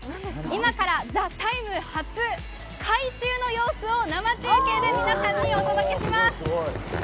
今から「ＴＨＥＴＩＭＥ，」初、海中の様子を生中継で皆さんにお届けします。